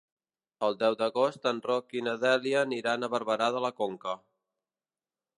El deu d'agost en Roc i na Dèlia aniran a Barberà de la Conca.